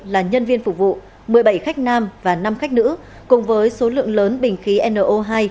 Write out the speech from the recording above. là nhân viên phục vụ một mươi bảy khách nam và năm khách nữ cùng với số lượng lớn bình khí no hai